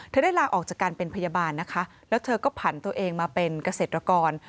ได้ลาออกจากการเป็นพยาบาลนะคะแล้วเธอก็ผันตัวเองมาเป็นเกษตรกร